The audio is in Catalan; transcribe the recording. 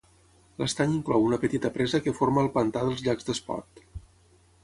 L'estany inclou una petita presa que forma el pantà dels Llacs d'Espot.